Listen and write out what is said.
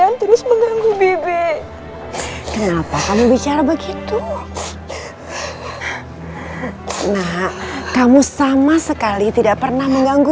yang terus mengganggu bebek kenapa kamu bicara begitu nah kamu sama sekali tidak pernah mengganggu